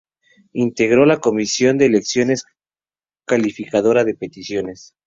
Integró la Comisión de Elecciones, calificadora de peticiones.